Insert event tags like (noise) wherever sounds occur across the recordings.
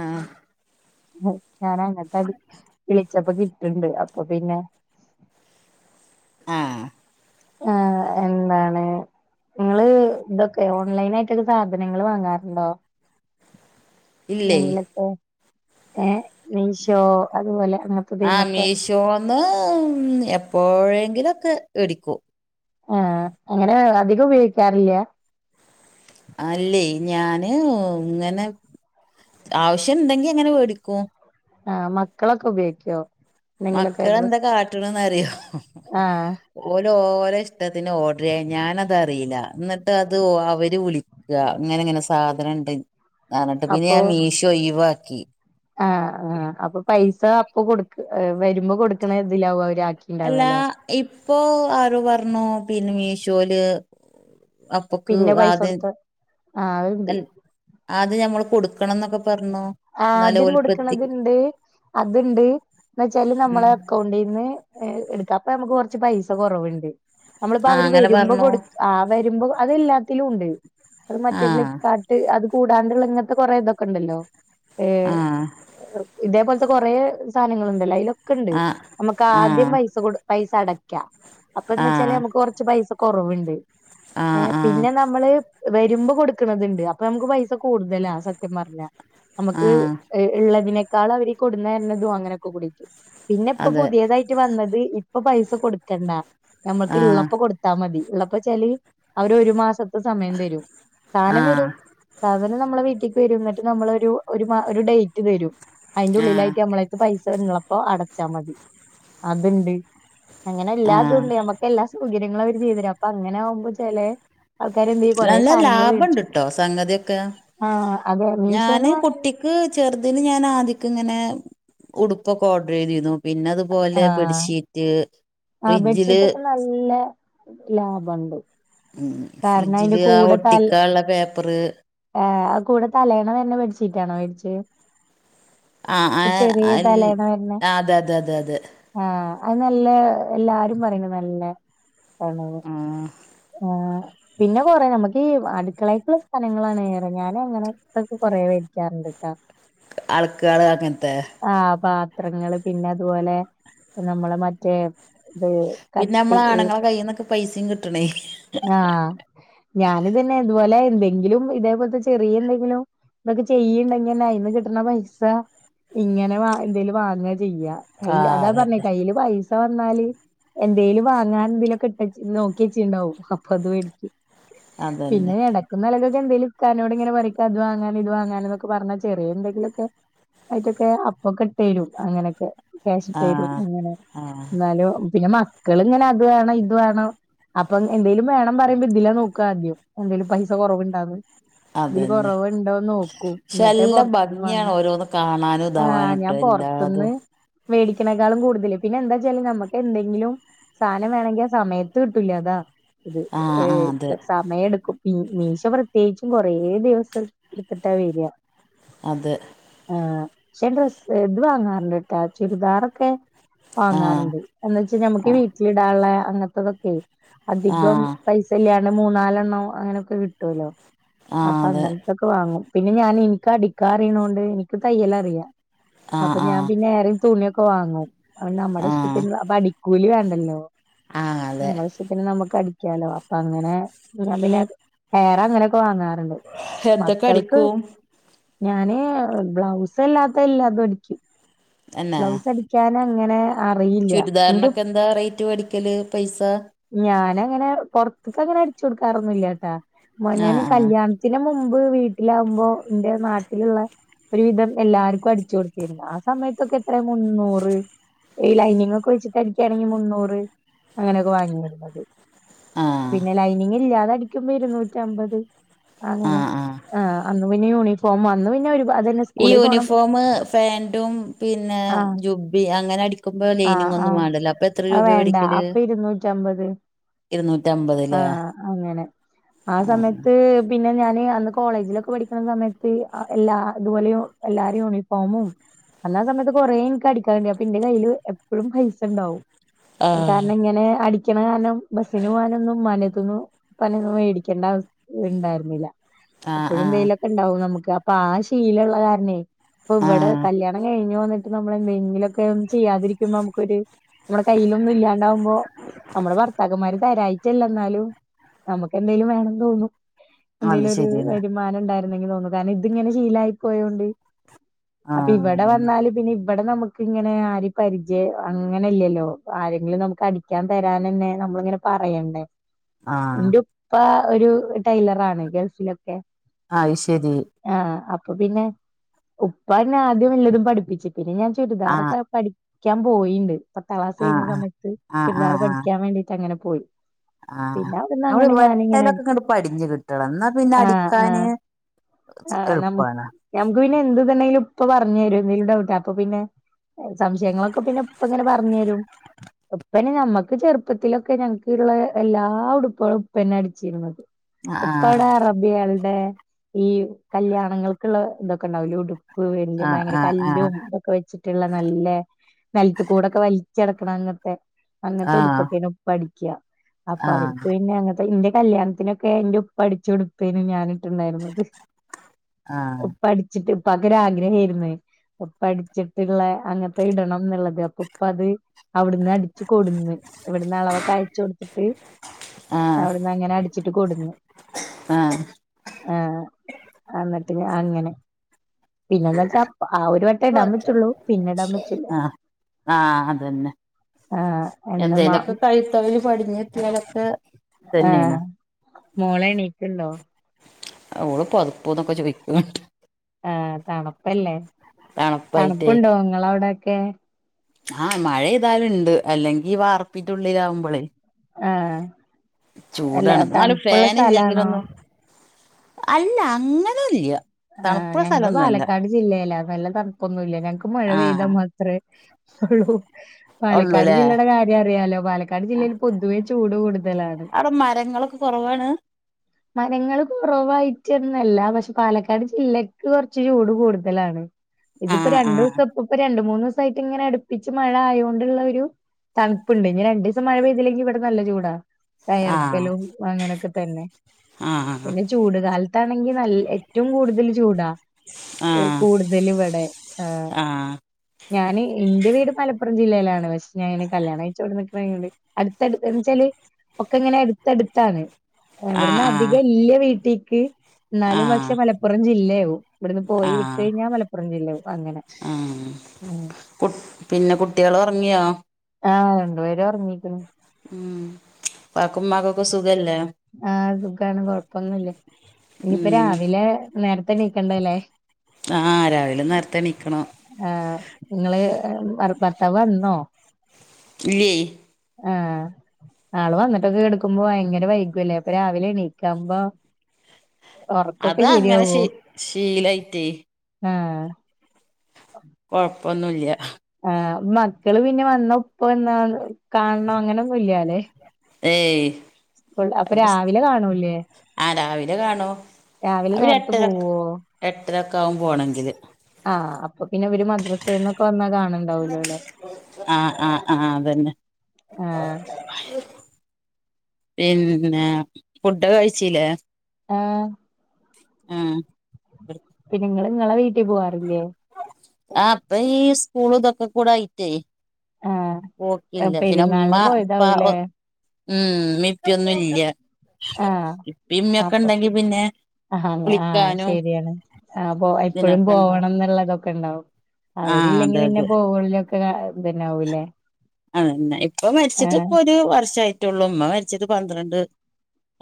ആഹ് ഞാനാങ്ങട്ടടിച്ച് വിളിച്ചപ്പക്കിട്ടില്ല ണ്ട് അപ്പൊ പിന്നെ ആഹ് ആഹ് എന്താണ് ഇങ്ങള് ഇതൊക്കെ ഓൺലൈനായിട്ട് സാധനങ്ങൾ വാങ്ങാറുണ്ടോ ഇല്ലേ എന്തെങ്കിലൊക്കെ ഏഹ് മീശോ അതുപോലെ അങ്ങൻ ആ മീശോന്ന് എപ്പോഴെങ്കിലുംക്കെ മേടിക്കൂ ആഹ് അങ്ങനെ അധികം ഉപയോഗിക്കാറില്ല അല്ലേ ഞാന് ഇങ്ങനെ ആവശ്യംണ്ടെങ്കി അങ്ങനെ വേടിക്കൂ ആഹ് മക്കളൊക്കെ ഉപയോഗിക്കോ എന്തെങ്കിലൊക്കെ മക്കളെന്താ ഡ്രസ് കാട്ടണന്ന് അറിയോ ആഹ് ഓല് ഓലഷ്ടത്തിന് ഓർഡർ ചെയ്യ. ഞാനതറീല്ല എന്നിട്ട് അത് അവര് വിളിക്കു ഇങ്ങനെങ്ങനെ സാധനംണ്ട് എന്നട്ട് പിന്നെ ഞാൻ മീശോ ഒയിവാക്കി ആഹ ആ് അപ്പൊ പൈസ അപ്പൊ കൊടുക്ക വരുമ്പോ കൊടുക്കണതിലാവും അവരാക്കി അല്ല ഇപ്പോ ആരോ പറഞ്ഞു പിന്നെ മീശോല് അപ്പൊക്ക് പിന്നെ പൈസ ആദ്യം കൊടുത്ത ആഹ് അത്ണ്ട് ആദ്യം ഞമ്മൾ കൊടുക്കണംന്നൊക്കെ ആദ്യം കൊടുക്കണത്ണ്ട് അത്ണ്ട് എന്ന് വെച്ചാല് ഉം നമ്മളെ അക്കൗണ്ടിന്ന് എടുക്കാം അപ്പ നമുക്ക് കുറച്ച് പൈസ കുറവുണ്ട്. നമ്മളിപ്പോ ആ അവര് അങ്ങനെ വരുമ്പോ പറഞ്ഞു കൊടുക്ക ആ വരുമ്പോ അതെല്ലാത്തിലുംണ്ട്. അത് ആ മറ്റേ ഫ്ലിപ്പാർട്ട് അത് കൂടാണ്ടുള്ള ഇങ്ങൻത്തെ കൊറെതൊക്കെ ഉണ്ടല്ലോ. ആ ഇതേപോലത്തെ കൊറേ സാധനങ്ങള്ണ്ടല്ലോ അയ്ലൊക്കെ ണ്ട് ആ നമുക്ക് ആ ആദ്യം പൈസ പൈസ അടക്കാ ആ അപ്പന്നച്ചാല് നമുക്ക് കുറച്ച് പൈസ കുറവുണ്ട് ആ ഏഹ് ആ പിന്നെ നമ്മള് വരുമ്പോ കൊടുക്കണതുണ്ട്. അപ്പൊ നമുക്ക് പൈസ കൂടുതലാ സത്യം പറഞ്ഞ ആ നമുക്ക് ഇള്ളതിനേക്കാൾ അവര് കൊടുന്ന തരുന്നതും അങ്ങനെക്കെ കൂടീട്ട് പിന്നെ ഇപ്പം അതെ പുത്യേതായിട്ട് വന്നത് ഇപ്പൊ പൈസ കൊടുക്കെണ്ട. ഞമ്മക്ക് ആ ഇള്ളപ്പോ കൊടുത് ത്താ മതി. ഇള്ളപ്പോച്ചാല് അവര് ഒരു മാസത്തെ സമയം തെരും. ആ സാനം വെരും സാധനം നമ്മളെ വീട്ടിക്ക് വരും. ഇന്നട്ട് നമ്മള് ഒരു ഒരു ഒരു ഡേയ്റ്റ് തരും അയ്ൻ്റെ ആ ഉള്ളിലായിട്ട് നമ്മളെയ്ത്ത് പൈസ ഉള്ളപ്പോ അടച്ചാ മതി അത്ണ്ട് അങ്ങനെ ആ എല്ലാതു ഇണ്ട്. നമ്മക്ക് എല്ലാ സൗകര്യങ്ങളു അവര് ചെയ്തരും. അപ്പൊ അങ്ങനാകുമ്പോ ചെലേ. ആൾക്കാര് എന്തേ കൊറേ നല്ല സാനങ്ങള് ലാഭണ്ട് വേടിച്ച് ട്ടോ സംഗതിയൊക്കെ ആഹ് അതെ ഞാന് മീഷോന്ന് വാങ്ങ കുട്ടി ക്ക് ചെറുത് ന് ഞാൻ ആദിക്ക് ഇങ്ങനെ ഉടുപ്പൊക്കെ ഓഡ്രർ ചെയ്തിന്നു. പിന്നെ അതുപോലെ ആഹ് ബെഡ്ഷീറ്റ് ഫ്രിജില് ഇല്ല ലാഭ്വണ്ട് ഉം ഫ്രിജില് ആ ഒട്ടിക്കാ ഇള്ള പേപ്പറ് ആഹ് അഹ് കൂടെ തലേണ വര്ണെ ബെഡ്ഷീറ്റ് ആണോ വേടിച്ചെ. ആഹ് ഏഹ് തലേണ വരണേ അതെ അതെ അതെ അതെ ആഹ് അത് നല്ലെ എല്ലാരും പറയുന്നു നല്ല ആണ് ന്ന് ആഹ് പിന്നെ കൊറേ ഞമക്ക് ഈ അടുക്കളേ ഇക്കുള്ള സാനങ്ങളാണ്. ഏറെ ഞാൻ അങ്ങനെത്തൊക്കെ കൊറേ വേ ക്ക്യാറുണ്ട്ട്ട ആൾക്കേള് അങ്ങൻത്തെ ആ പാത്രങ്ങള്. പിന്നെ അതുപോലെ നമ്മള മറ്റേ ഇത് പിന്നെ നമ്മള കട്ടി ആണുങ്ങളെ കൈയിന്നൊക്കെ പൈസയും കിട്ടണേ ആഹ് ഞാനിതന്നെ ഇത്പോലെ എന്തെങ്കിലും ഇതേപോല്ത്തെ ചെറിയ എന്തെങ്കിലും ഇതൊക്കെ ചെയ്യണ്ടെങ്ങനെ ഇന്ന് കിട്ട്ണ പൈസ ഇങ്ങനെ വ എന്തേലും വാങ്ങ ചെയ്യാ കയ്യിൽ ആഹ് അതാ പറഞ്ഞെ അതന്നെ കയ്യില് വായിസ് വന്നാല് എന്തേലും വാങ്ങാൻ എന്തേ ലെ കെട്ടച്ച് നോക്ക്യേച്ചി ഇണ്ടാവും. അപ്പൊ ഇത് വേടിച്ച് അതന്നെ പിന്നെ എടക് ന്നെലെക്കെക്ക് എന്തേലും ഇക്കാനോട് ഇങ്ങനെ പണിക്കാ അത് വാങ്ങൻ ഇത് വാങ്ങാനൊക്കെ പറഞ്ഞാ ചെറ്യേ എന്തെങ്കിലൊക്കെ ആയിട്ടൊക്കെ അപ്പൊക്കെ ഇട്ടേരും അങ്ങനെയൊക്കെ ക്യാഷ്ടരും ആഹ് അങ്ങനെ ആഹ് ഇന്നാലും പിന്നെ മക്ക് ക്കള് ഇങ്ങനെ അത് വാണം ഇത് വാണം അപ്പം എന്തേലും വേണം പറയുമ്പോ ഇതിലെ നോക്കാദ്യം. എന്തേലും പൈസ കൊറവ്ണ്ടാന്ന് ഇതില് അതന്നെ കൊറവുണ്ടോന്ന് നോക്കൂ പക്ഷെ എന്നിട്ടേ നല്ല പൊറത്ത്ന്ന് ഭംഗിയാണ് വാങ്ങു ഓരോന്ന് കാണാനും ആഹ് ഇതാവാനുംട്ടോ ഞാൻ പൊറ്ത്ത്ന്ന് എല്ലാതും വേടിക്കണേക്കാളും കൂടുതല് പിന്നെ എന്താ വച്ചാല് നമ്മക്ക് എന്തെങ്കിലും സാനം വേണേങ്കി ആ സമയത്ത് കിട്ടൂല അതാ ഇത് ആഹ് ഏഹ് ആഹ് അതെ (unintelligible) മേ എട്ക്കും. മീശ പ്രത്യേയിച്ചും കൊറേ ദിവസട് ഇട്ത്ത്ട്ടാ വര (unintelligible) അത് ആഹ് ശെ ഡ്രസ് ഇത് വാങ്ങാറ്ണ്ട്ട്ടാ ചുരിദാറൊക്കെ ആഹ് വാങ്ങാറുണ്ട് എന്ന് ച്ചാ ഞമ്മക്ക് വീട്ടില് ഇടാൻള്ള അങ്ങൻത്തെ ഇതൊക്കെ അധികം ആഹ് പൈസ് കെല്യാണ് മൂന്നാലെണ്ണം അങ്ങനെയൊക്കെ കിട്ട്വല്ലോ അപ്പ ആഹ് അതെ അങ്ങൻ ഇതൊക്കെ വാങ്ങും. പിന്നെ ഞാൻ ഇൻക്ക് അടിക്കാ അറിണോണ്ട് എനിക്ക് തയ്യല് അറിയാ ആഹ് അപ്പം ഞാൻ ആഹ് പിന്നെ ആരെലു തുണിയൊക്കെ വാങ്ങും നമ്മടെ ആഹ് ഇഷ്ടത്തിന് അപ്പൊ അടിക്കൂലി വേണ്ടെല്ലോ. ആഹ് അതെ നമ്മളെ ഇഷ്ടത്തിന് നമ്മുക്ക് അടിക് ക്ക്യാലോ. അപ്പ അങ്ങനെ ഞാൻ പിന്നെ വേയറെ അങ്ങനെയൊക്കെ വാങ്ങാറ്ണ്ട് എന്തൊക്കെ മക്കൾക്ക് അടിക്കും ഞാന് ബ്ലൗസ് അല്ലാത്തല്ലാത് എല്ലതും അടിക്കും ബ്ലൗസ് അടിക്കാന് അങ്ങനെ അറിയില്ല എന്റെ ചുരിദാരിനൊക്കെ എന്താ റേറ്റ് വേടിക്കല് പൈസ ഞാന അങ്ങനെ പൊറത്ത്ക്ക് അങ്ങനെ അടിച്ചു കൊടുക്കാറൊന്നും ഇല്യ ട്ടാ മോൻ നാ ആഹ് കല്യാണ് ത്തിന് മുമ്പ് വീട്ടിലാകുമ്പോ ഇന്റെ നാട്ടില്ള്ളെ ഒരു വിധം എല്ലാർക്കും അടിച് കൊടുത്തിരുന്നു. ആ സമയത്തൊക്കെ എത്ര മുന്നൂറ് ഈ ലൈനിങ് ഒക്കെ വെച്ചിട്ട്ടിക്കാണെങ്കി മുന്നൂറ് അങ്ങനെ ഒക്കെ വാങ്ങിയിരുന്നത് ആഹ് പിന്നെ ആഹ് ലൈനിങ് ഇല്ലാതെ അടിക്കുമ്പോ ഇുരുനൂറ്റ അമ്പത് അങ്ങനെ ആഹ് ആഹ് ആ അന്ന് പിന്നെ യൂണിഫോം അന്ന് പിന്നെ ഒരു അതന്നെ ഈ സ്കൂളിൽ പോണം യൂണിഫോമ പാന്റും പിന്നെ ജുബ്ബി അങ്ങനെ അട ആഹ ആഹ ആ വേണ്ട അപ്പൊ ഇരുന്നൂറ്റ അമ്പത് ഇരുന്നൂറ്റാമ്പത് ആഹ അങ്ങനെ ആ സമയത്ത് അത് പിന്നെ ഞാന് അന്ന് കോളേജിലൊക്കെ പഠിക്കണ സമയത്ത് എല്ലാ ഇതുപോലെയോ എല്ലാരുണിഫോമും അന്നാ സമയത്ത് കൊറേ എനിക്ക് അടിക്കാന്ണ്ട് അപ്പൊ എന്റെ കയ്യില് എപ്പോഴും പൈസ ഇണ്ടാവും ആഹ് കാരണം ഇങ്ങനെ അടിക്കണ കാനം ബസ്സന് പോനൊന്നും ഉമ്മാനെത്തുന്നും ഉപ്പാന്റെന്നും മേടിക്കേണ്ട അവസ്ഥ ഇണ്ടായിര്ന്നില്ല ആഹ് ഇപ്പഴും ആഹ് എന്തേലൊക്കെ ഇണ്ടാവും നമ്മക്ക് അപ്പൊ ആ ശീലമുള്ളകാരണേ ഇപ്പൊ ഇവിടെ ആഹ് കല്യാണം കഴിഞ്ഞ് വന്നിട്ട് നമ്മളെന്തെങ്കിലൊക്കെ ഒന്നും ചെയ്യാതിരിക്കുമ്പോ നമുക്കൊര് നമ്മുടെ കയ്യിലൊന്നും ഇല്ലാണ്ടാവുമ്പോ നമ്മടെ ഭർ അമാര് തരായിട്ടല്ല എന്നാലും നമുക്ക് എന്തേലും വേണംന്ന് തോന്നും അത് ശരിയാണ് എന്തെലുഒരുവരുമാനം ഉണ്ടായിരുന്നെങ്കി തോന്നും കാരണം ഇതിങ്ങനെ ശീലായിപോയോണ്ട് അപ്പൊ ആഹ് ഇവിടെ അതന്നെ വന്നാല് പിന്നെ ഇവിടെ നമ്മ ഇപ്പ ഇങ്ങനെ ആര് പരിചയം അങ്ങനെല്ലല്ലോ ആരെങ്കിലും നമുക്ക് അടിക്കാൻ തരാൻ തന്നെ നമ്മളിങ്ങനെ പറയണ്ടേ ആഹ് എന്റെ ഉപ്പ ഒരു ടൈലറാണ് ഗൾഫിലൊക്കെ ആ ശരി ആഹ അപ്പൊ പിന്നെ ഉപ്പന്നെ ആദ്യം വല്ലതും പഠിപ്പിച്ച് പിന്നെ ഞാൻ ആഹ് ചുരിദാറൊക്കെ പഠിക്കാൻ പോയിണ്ട് പത്താം ക്ലാസ് കഴിഞ്ഞ ആഹ് സമയത്ത് ആഹ് ആഹ് ചുരിദാറ് ആഹ് ആഹ് പഠിക്കാൻ വേണ്ടിട്ട് അങ്ങനെ പോയി. ആഹ് പിന്നെ അവിടുന്ന് നമ്മള് അങ്ങനെ ഞാനിങ്ങനെ വെട്ടലൊക്കെ അടിക്കും പ്പ അടിഞ് കിട്ടണം എന്നാ പിന്നെ ആഹ് അടിക്കാന് ആഹ് (unintelligible) എളുപ്പാണ്. ഞമ്മക്ക് പിന്നെ എന്ത് തന്നെ ണെലും ഇപ്പ പറഞ്ഞു തരും മെയിൻ ഡൗട്ട് അപ്പൊ പിന്നെ സംശയങ്ങളൊക്കെ പിന്നെ ഉപ്പ ഇങ്ങനെ പറഞ്ഞ്തരും ഉപ്പനെ ഞമ്മക്ക് ചെറു പ്പത്തിലൊക്കെ ഞങ്ങൾക്ക് ള്ള എല്ലാ ഉടുപ്പുകളും ഉപ്പന്നെ അടിച്ചിരുന്നത്. ആഹ് ഉപ്പാടെ അറബികളടെ ഈ കല്യാണങ്ങൾക്ക്ള്ള ഇതൊക്കെ ഇണ്ടാവൂലേ ഉടു ആഹ് ആഹ് ആഹ് ഭയങ്കരകല്ലും ക്കെ വെച്ചിട്ടുള്ള നല്ല നിലത്തുക്കൂടെക്കെ വലിച്ചെട്ക്കണ അങ്ങനത്തെ അങ്ങനത്തെ ഉടുപ്പെ ആഹ് പിന്നെപഠിക്ക അപ്പ ആഹ് അവർക്ക് പിന്നെ അങ്ങനെ എന്റെ കല്യാണത്തിനൊക്കെ എന്റെ ഉപ്പ അടിച്ചുടുപ്പാണ് ഞാന് ര് ന്നായിരുന്നത്. ആഹ് ഉപ്പ അ ടി ച്ചിട്ട് ഇപ്പക്ക് ഒര് ആഗ്രഹയിരിന്നെ ഉപ്പടിച്ചിട്ടുള്ള അങ്ങനത്തെ ഇടണം എന്നുള്ളത് അപ്പൊ ഉപ്പ അത് അവിടുന്ന് അടിച്ചു കൊടുന്ന് ഇവിടന്ന് അളവക്കെ അയച്ച് കൊടുത്തിട്ട് ആഹ് അവിടുന്ന് അങ്ങനെ അടിച്ചിട്ട് കൊടുന്ന് ആഹ് ആഹ് എന്നിട്ട് ഞ അങ്ങനെ പിന്നെന്ന് വെച്ചാ ആ ഒരു വട്ടം ഇടാൻ പറ്റുള്ളൂ പിന്നെ ഇടാ പറ്റൂല്ല ആഹ് ആഹ് അതന്നെ ആഹ് എന്താ മ എന്തേലൊക്കെ കൈതൊഴില് പസാഞ്ഞിട്ടിയാൽ ക്കെ ഇത തന്നെയാണ് മോളെണീക്കണ്ടോ അവള് പതുപ്പോന്നൊക്കെ ചോയിക്കിണ്ട് ആഹ് തണുപ്പല്ലേ തണുപ്പായിട്ടേ തണുപ്പുണ്ടോ നിങ്ങളവിടൊക്കെ ആഹ് മഴ ഏതാലും ഇണ്ട് അല്ലെങ്കി വാർപ്പീന്റെഉളിലാവുംമ്പോളേ ആഹ് അല്ല ചൂടാണ് നല് തണുപ്പുള്ള ഫൻ സ്ഥലാണോ ഇല്ലെങ്കിലൊന്നും അല്ല അങ്ങനെല്ല ആഹ് ഞങ്ങള് പാലക്കാട് ജില്ലേല്ല നല്ല തണപ്പൊന്നുല്ല ഞങ്ങക്ക് മഴ പെയ്താ ആഹ് മ (unintelligible) പാലക്കാട് ഒള്ളൂല്ലേ ജില്ലയുടെ കാര്യം അറിയാലോ പാലക്കാട് ജില്ലയിൽ പൊതുവേ ചൂട് കൂടുതലാണ്. അവ്ടെ മര ങ്ങളൊക്കെ കൊറവാണ്? മരങ്ങള് കൊറവായിട്ടൊന്നുല്ല പക്ഷെ പാല ക്കാട് ജില്ലക്ക് കൊറച്ച് ചൂട് കൂടുതലാണ്. ഇതിപ്പോ ആഹ് രണ്ടു ആഹ് ദിവസം ഇപ്പപ്പ രണ്ട് മൂന്നുസായിട്ട് ഇങ്ങനെ അടുപ്പിച്ച് മഴ ആയൊണ്ടുള്ള ഒരു തണുപ്പുണ്ടെ. ഇനി രണ്ടിസം മഴ പെയ്തില്ലെങ്കി ഇവടെ നല്ല ചൂടാ. ആഹ് വെയർക്കലും അങ്ങനെയൊക്കെ തന്നെ. ആഹ് പിന്നെ ചൂട് കാലത്താണെങ്കി നല്ല റ്റും കൂടുതൽ ചൂടാ ആഹ് കൂടുതൽ ഇവടെ ആഹ് ഞാന് ഇന്റെ വീട് മലപ്പുറം ജില്ലയിലാണ്. പക്ഷെ ഞാന് ങ്ങനെ കല്യാണം കഴിച്ചോണ്ടൂന്നക്കണത് അടുത്തടുത്താന്ന് ന്ന് വെച്ചാല് ഒക്കെ ഇങ്ങനെ എടുത്തടുത്താണ് എഹ് ഇവട്ന്ന് ആഹ് അധിക ആഹ് ല്യ വീട്ടിക്ക് എന്നാലും പക്ഷെ ആഹ് മലപ്പുറം ജില്ലയാവും. ഇവട്ന്ന് പോയി വിട്ട് ആഹ് കഴിഞ്ഞാ മലപ്പുറം ജില്ലാവും. അങ്ങനെ ആഹ് കു പിന്നെ കുട്ടിയേൾ ഒറങ്ങിയോ? ആഹ് രണ്ടുപേരും ഒറങ്ങിക്ണ്. ഉപ്പാക്കുമ്മാക്കൊക്കെ സുഖല്ലേ? ആഹ് സുഖാണ് കൊഴപ്പൊന്നുല്ല. ഇനിയിപ്പ ഉം രാവിലെ നേരത്തെ എണീക്കണ്ടല്ലേ? ആഹ് രാവിലെ നാര്ത്തെ എണീക്കണം ഏഹ് ഇങ്ങള് ഭർ ഭർത്താവ് വന്നോ? ഇല്ലേയ്. ആഹ്. ആള് വന്നിട്ടൊക്കെ കെടക്കുമ്പോ ഭയങ്കര വൈകുല്ലേ അപ്പൊ രാവിലെ എണീകാമ്പോ അത് അങ്ങനെ ശീ ശീലായിട്ടേ ആഹ് കൊഴപ്പൊന്നൂല്യ. ആഹ് മക്കള് പിന്നെ വന്നാ ഉപ്പ വന്നാ കാണണം അങ്ങനൊന്നുല്യാല്ലേ ഏയ് പ്പോൾ അപ്പൊ രാവിലെ കാണൂല്ലേ? ആ രാവിലെ കാണോ രാവിലെ അവര് നേരത്തെ പോവോ? എട്ടര ഒക്കെ ആവും പോണങ്കില് ആഹ് അപ്പൊ പിന്നെ അവര് മദ്രസെന്നൊക്കെ വന്നാ കാണ ആഹ് ആഹ് ആഹ് അതന്നെ. ആഹ് പിന്നെ ഫുഡൊക്കെ കഴിച്ചീല്ലേ? ആഹ്. ആഹ് പിന്നെ ഇങ്ങള് ഇങ്ങളെ വീട്ടി പോവാറില്ലേ? ആഹ് ഇപ്പ ഈ സ്കൂളു ഇതൊക്കെ കൂടായിട്ടേ. ആഹ് പോക്കില്ല. പിന്നെ ഇമ്മ പെരുന്നാളിന് ഇപ്പാ ഒ പോയതാവൂലേ ഉം ഇമ്മിം ഇപ്പ്യൊന്നും ഇല്ല്യാ ഇപ്പിം ഇമ്യൊക്കെ ഇണ്ടെങ്കി പിന്നെ ആഹ അങ് ആഹ് വിളിക്കാനും ശരിയാണ് ആഹ് പോ എപ്പഴും ഇതിനൊക്കെ ഉണ്ടാവും പോവണം എന്നുള്ളതൊക്കെ ഉണ്ടാവും. ആഹ് അവരില്ലെങ്കി അതെ പിന്നെ അതെ പോകലൊക്കെ ക ഇതന്നെ ആവും. അതന്നെ. ഇപ്പൊമരിച്ചിട്ട് ആഹ് ഇപ്പൊ ഒരു വർഷായി. റ്റൊള്ളൂ. ഉമ്മ മരിച്ചിട്ട് പന്ത്രണ്ട്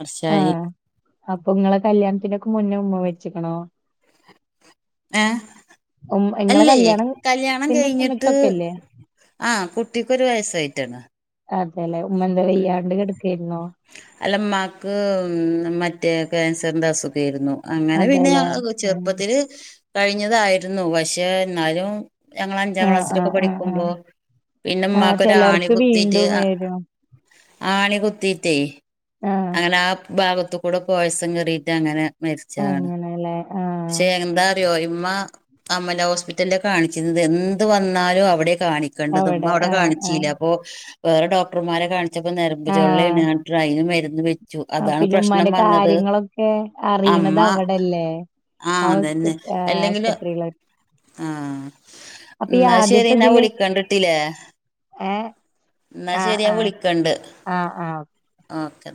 വർഷായി ആഹ് അപ്പൊ ഇങ്ങളെ കല്യാണത്തിനൊക്കെ മുന്നെ ഉമ്മ മരിച്ചിക്ണോ? ഏഹ്? ഉം ഇങ്ങളെ അല്ലേയ് കല്യാണം കല്യാണത്തിന്റെ കഴിഞ്ഞിട്ട് സമയത്തൊക്കെല്ലേ ആഹ് കുട്ടിക്കൊരു വയസ്സായിട്ടാണ്. അതെല്ലെ. ഉമ്മ എന്താ ഉം വെയ്യാണ്ട് കെടക്കേര്ന്നോ? അല്ല ഇമ്മാക്ക് മറ്റേ ക്യാൻസറിന്റെ അസുഖേര്ന്നു. അങ്ങനെ പിന്നെ അതെല്ലേ ഉം. ചെറുപ്പത്തില് കഴിഞ്ഞതായിരുന്നു പക്ഷെ ഇന്നാലും ഞങ്ങൾ അഞ്ചാം ആഹ് ക്ലാസ്സിലൊക്കെ ആഹ് ആഹ് ആഹ് പഠിക്കുമ്പോ പിന്നെ ആഹ് ഉമ്മാക്കൊരാണി ചെലർക്ക് കുത്തിയിട്ട് വീണ്ടും അ വരും ആണി കുത്തീറ്റേ, ആഹ് അങ്ങനെ ആ ഭാഗത്ത് കൂടെ പോയസൻ കേറിട്ട് അങ്ങനെ മെരിച്ചാണ്. അങ്ങനെല്ലേ ആഹ് പക്ഷെ എന്താ അറിയോ ഇമ്മ അമല ഹോസ്പിറ്റല്ലാ കാണിച്ചിര്ന്നത് എന്ത് വന്നാലും അവടെ കാണി ക്കണ്ടതും ഉമ്മ അവടെ ആഹ് ആഹ് കാണിച്ചീല്ലാ അപ്പൊ വേറെ ഡോക്ടർമാരെ കാണിച്ചപ്പോ ഞരമ്പ് ആഹ് ചൊള്ളേണ് (unintelligible) (unintelligible) അയിന് മെര്ന്ന് പെര് ചു ആഹ് അതാണ് പിന്നെ പ്രശ്നം ഉമ്മാന്റെ വന്നത് കാര്യങ്ങളൊക്കെ അറിയണത് അമ്മാ അവടല്ലേ? ആ ആഹ് ഹോസ്പി അതന്നെ ആഹ് എല്ലെങ്കില് ആശുപത്രിയില് ആഹ് അപ്പൊ ഈ ന്നാ ശരി ആദ്യത്തെ ഞാൻ ഇതില് വിളിക്കണ്ട് ഇട്ടീല്ലെ ഏഹ് ന്നാ ആഹ് ശരി ഞാൻ ആഹ് വിളിക്കണ്ട് ആഹ് ആഹ് ഓക്കെ